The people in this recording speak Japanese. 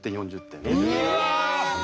うわ！